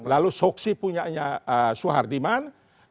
lalu soksi punya suhardiman